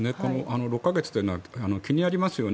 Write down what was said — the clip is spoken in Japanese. ６か月というのは気になりますよね。